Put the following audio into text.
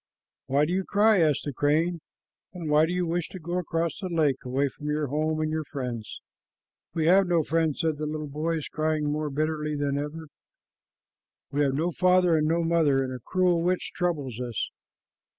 "Why do you cry?" asked the crane, "and why do you wish to go across the lake, away from your home and friends?" "We have no friends," said the little boys, crying more bitterly than ever. "We have no father and no mother, and a cruel witch troubles us.